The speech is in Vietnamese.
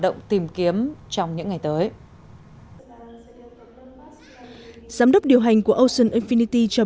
động tìm kiếm trong những ngày tới giám đốc điều hành của ocean infinity cho